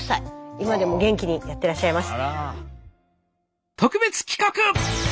今でも元気にやってらっしゃいます。